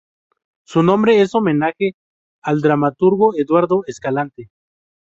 Su nombre es un homenaje al dramaturgo Eduardo Escalante.